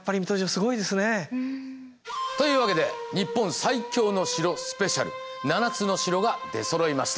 というわけで「日本最強の城スペシャル」７つの城が出そろいました。